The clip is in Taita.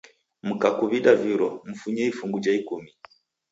Mkakuw'ida viro, mfunye ifungu jha ikumi